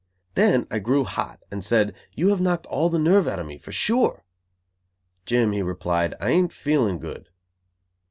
Then I grew hot, and said: "You have knocked all the nerve out of me, for sure." "Jim," he replied, "I ain't feeling good."